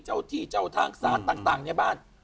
เจ้าที่เจ้าทางศาลต่างในบ้าน